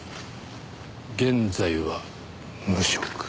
現在は無職。